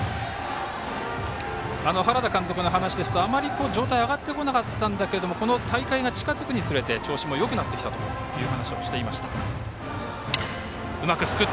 原田監督の話ですとあまり状態は上がってこなかったんだけれどもこの大会が近づくにつれて調子もよくなってきたという話もしていました。